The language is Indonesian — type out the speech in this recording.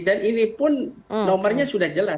dan ini pun nomornya sudah jelas